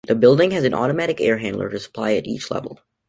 The building has an automatic air handler to supply at each level.